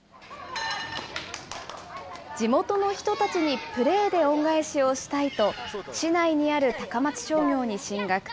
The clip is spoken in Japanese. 地元の人たちにプレーで恩返しをしたいと、市内にある高松商業に進学。